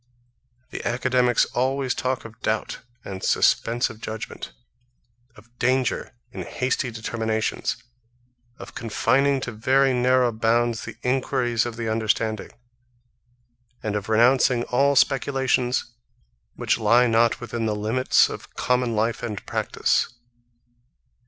The academics always talk of doubt and suspense of judgement, of danger in hasty determinations, of confining to very narrow bounds the enquiries of the understanding, and of renouncing all speculations which lie not within the limits of common life and practice.